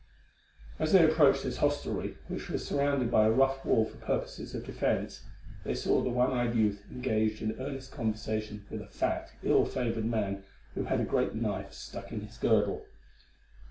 As they approached this hostelry, which was surrounded by a rough wall for purposes of defence, they saw the one eyed youth engaged in earnest conversation with a fat, ill favoured man who had a great knife stuck in his girdle.